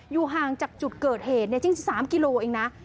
อยู่ห่างจากจุดเกิดเหตุจริงสามกิโลกรัมเองนะ